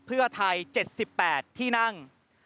เพื่อไทย๗๘ที่นั่ง